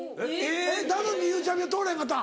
なのにゆうちゃみは通らへんかった？